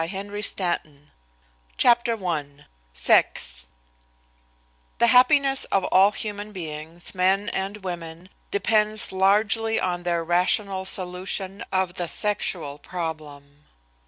LOVE AND SEX 57 CHAPTER I SEX The happiness of all human beings, men and women, depends largely on their rational solution of the sexual problem.